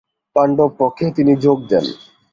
পাণ্ডব পক্ষে তিনি যোগ দেন।